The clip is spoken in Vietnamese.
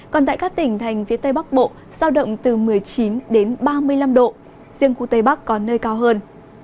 còn tại các tỉnh thành phía tây bắc bộ sao động từ một mươi chín đến ba mươi năm độ riêng khu tây bắc có nơi cao hơn